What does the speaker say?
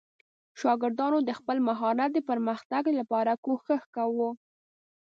شاګردانو د خپل مهارت د پرمختګ لپاره کوښښ کاوه.